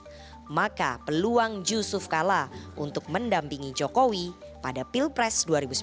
jika mahkamah konstitusi mengabulkan gugatan uji materi tentang aturan masa jabatan presiden dan wakil presiden